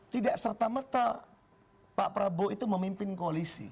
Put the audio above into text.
tidak serta merta pak prabowo itu memimpin koalisi